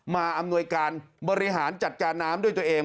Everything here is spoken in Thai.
อำนวยการบริหารจัดการน้ำด้วยตัวเอง